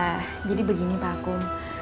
ah jadi begini pak akung